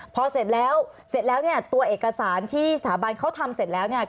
พอเสร็จแล้วเสร็จแล้วเนี่ยตัวเอกสารที่สถาบันเขาทำเสร็จแล้วเนี่ย